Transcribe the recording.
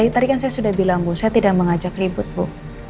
tadi kan saya sudah bilang bu saya tidak mengajak ribut bu